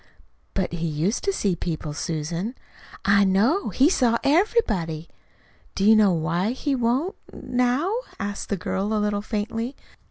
"But he used to see people, Susan." "I know it. He saw everybody." "Do you know why he won't now?" asked the girl a little faintly.